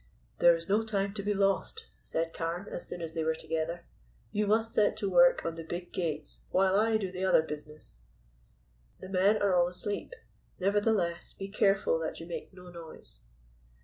"There is no time to be lost," said Carne, as soon as they were together. "You must set to work on the big gates while I do the other business. The men are all asleep; nevertheless, be careful that you make no noise."